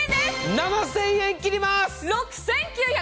７０００円切ります！